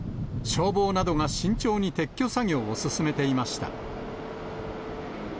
消防などが慎重に撤去作業を進めていました。